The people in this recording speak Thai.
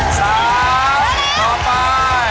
ต่อไป